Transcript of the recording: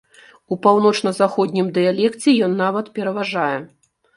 У паўночна-заходнім дыялекце ён нават пераважае.